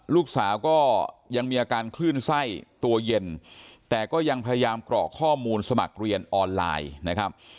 ลูกสาวก็ยังมีอาการคลื่นไส้ตัวเย็นแต่ก็ยังพยายามกรอกข้อมูลสมัครเรียนออนไลน์นะครับ